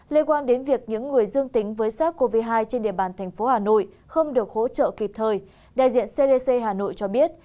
liên quan đến việc những người dương tính với sars cov hai trên địa bàn thành phố hà nội không được hỗ trợ kịp thời đại diện cdc hà nội cho biết